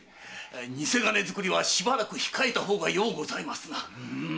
偽金作りはしばらく控えた方がようございますな。